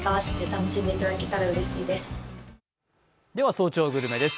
「早朝グルメ」です。